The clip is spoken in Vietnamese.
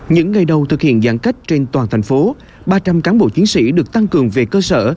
những ngày đầu thực hiện giãn cách trên toàn thành phố ba trăm linh cán bộ chiến sĩ được tăng cường về cơ sở